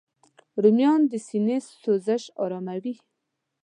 رومیان د سینې سوزش آراموي